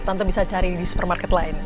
tante bisa cari di supermarket lain